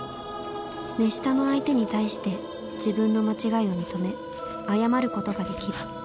目下の相手に対して自分の間違いを認め謝ることができる。